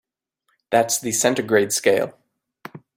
That's the centigrade scale.